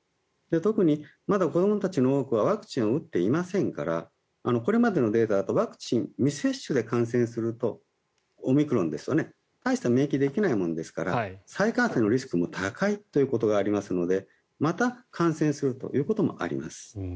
特にまだ子どもたちの多くはワクチンを打っていませんからこれまでの例だとワクチン未接種で感染するとオミクロンですとね大した免疫ができないものですから再感染のリスクも高いということがありますのでまた感染するということもあります。